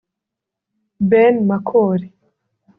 Ben Makori